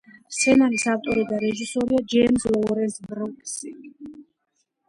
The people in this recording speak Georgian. სცენარის ავტორი და რეჟისორია ჯეიმზ ლოურენს ბრუკსი.